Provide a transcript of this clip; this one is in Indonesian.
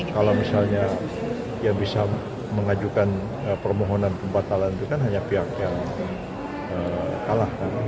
kalau misalnya yang bisa mengajukan permohonan pembatalan itu kan hanya pihak yang kalah kan